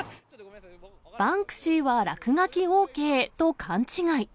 バンクシーは落書きＯＫと勘違い。